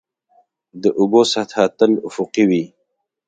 د اوبو سطحه تل افقي وي.